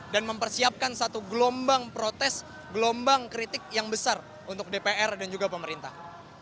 dan mempersiapkan satu gelombang protes gelombang kritik yang besar untuk dpr dan juga pemerintah